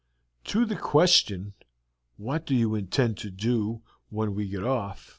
To the question, "What do you intend to do when we get off?"